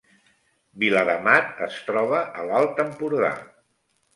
Viladamat es troba a l’Alt Empordà